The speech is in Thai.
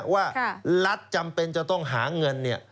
ว่ารัฐจำเป็นจะต้องหาเงิน